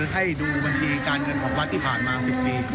ให้ดูบัญชีการเงินของวัดที่ผ่านมา๑๐ปี